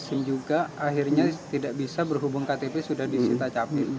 vaksin juga akhirnya tidak bisa berhubung ktp sudah disita capil